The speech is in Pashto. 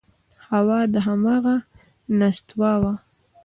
هو دا همغه نستوه و…